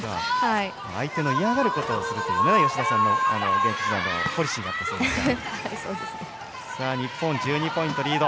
相手の嫌がることをするという吉田さんの現役時代のポリシーがあったそうですから。